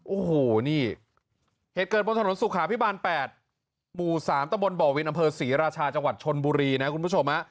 โอ้โหนี่เหตุเกิดบนถนนสุขาพิบาล๘หมู่๓ตะบนบ่อวินอำเภอศรีราชาจังหวัดชนบุรีนะคุณผู้ชม